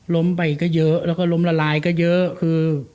ล้มไปก็เยอะแล้วก็ล้มละลายก็เยอะคือ